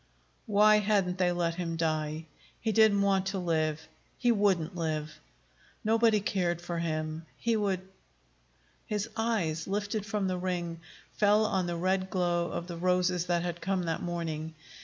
Why hadn't they let him die? He didn't want to live he wouldn't live. Nobody cared for him! He would His eyes, lifted from the ring, fell on the red glow of the roses that had come that morning.